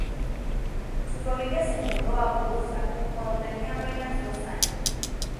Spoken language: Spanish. Su familia se mudó a Bursa cuando tenía apenas dos años.